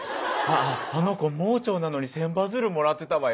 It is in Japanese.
「あの子盲腸なのに千羽鶴もらってたわよ。